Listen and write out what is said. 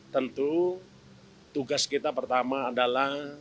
tentu tugas kita pertama adalah